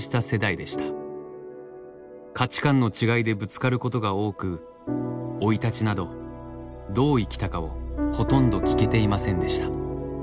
価値観の違いでぶつかることが多く生い立ちなどどう生きたかをほとんど聞けていませんでした。